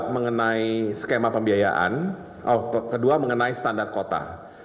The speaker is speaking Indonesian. mengenai skema pembiayaan kedua mengenai standar kota